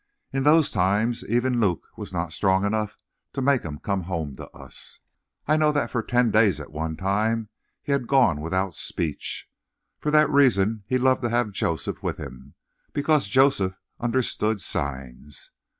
In those times, even Luke was not strong enough to make him come home to us. "I know that for ten days at one time he had gone without speech. For that reason he loved to have Joseph with him, because Joseph understood signs.